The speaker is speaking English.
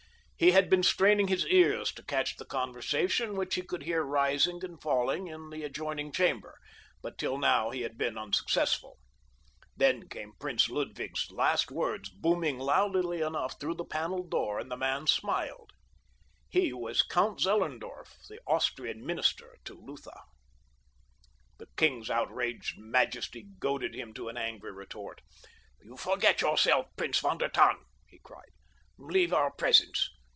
He had been straining his ears to catch the conversation which he could hear rising and falling in the adjoining chamber, but till now he had been unsuccessful. Then came Prince Ludwig's last words booming loudly through the paneled door, and the man smiled. He was Count Zellerndorf, the Austrian minister to Lutha. The king's outraged majesty goaded him to an angry retort. "You forget yourself, Prince von der Tann," he cried. "Leave our presence.